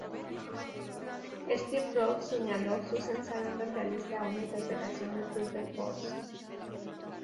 Steve Rhodes señaló: “Susan Sarandon realiza una interpretación de tour de force".